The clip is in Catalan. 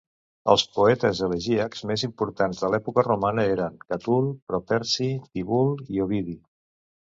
Els poetes elegíacs més importants de l'època romana eren Catul, Properci, Tibul i Ovidi.